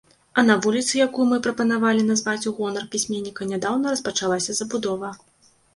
А на вуліцы, якую мы прапанавалі назваць у гонар пісьменніка, нядаўна распачалася забудова.